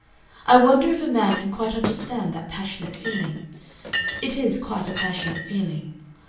I wonder if a man can quite understand that passionate feeling? It is quite a passionate feeling.